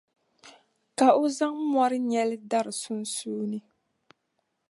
Ka o zaŋ mɔri nyɛli dari sunsuuni.